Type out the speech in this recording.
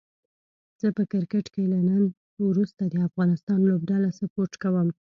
زه په کرکټ کې له نن وروسته د افغانستان لوبډله سپوټ کووم